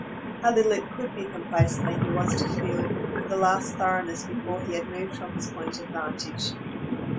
How little it COULD be complacently he was to feel with the last thoroughness before he had moved from his point of vantage.